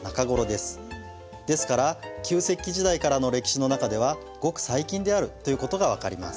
ですから旧石器時代からの歴史の中ではごく最近であるということが分かります。